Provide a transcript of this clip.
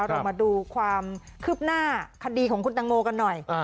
เรามาดูความคืบหน้าคดีของคุณตังโมกันหน่อย